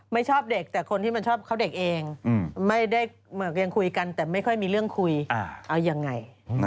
ชอบเด็กแต่คนที่มันชอบเขาเด็กเองไม่ได้ยังคุยกันแต่ไม่ค่อยมีเรื่องคุยเอายังไง